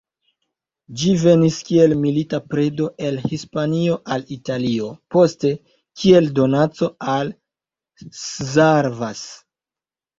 Ĝi venis, kiel milita predo el Hispanio al Italio, poste, kiel donaco, al Szarvas.